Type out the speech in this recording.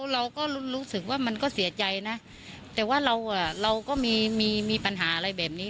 เราก็รู้สึกว่ามันก็เสียใจนะแต่ว่าเราอ่ะเราก็มีมีปัญหาอะไรแบบนี้